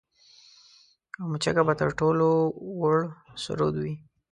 او مچکه به تر ټولو وُړ سرود وي